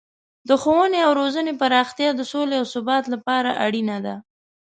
د ښوونې او روزنې پراختیا د سولې او ثبات لپاره اړینه ده.